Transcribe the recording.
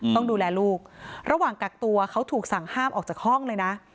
ต้องดูแลลูกระหว่างกักตัวเขาถูกสั่งห้ามออกจากห้องเลยนะ